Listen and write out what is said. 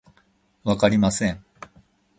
わかりません